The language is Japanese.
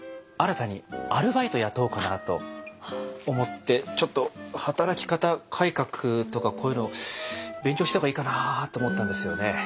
新たにアルバイト雇おうかなと思ってちょっと「働き方改革」とかこういうの勉強した方がいいかなあと思ったんですよね。